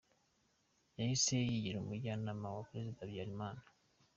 Yahise yigira Umujyanama wa Perezida Habyarimana.